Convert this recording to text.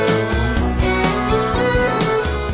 โปรดติดตามตอนต่อไป